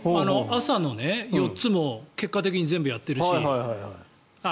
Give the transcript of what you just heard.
朝の４つも結果的に全部やってるし。